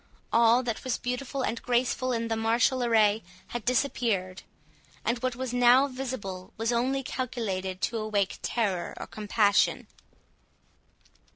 All that was beautiful and graceful in the martial array had disappeared, and what was now visible was only calculated to awake terror or compassion.